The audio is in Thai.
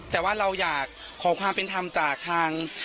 แต่ว่าเราอยากขอความเป็นธรรมจากทาง